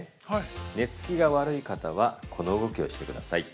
寝つきが悪い方はこの動きをしてください。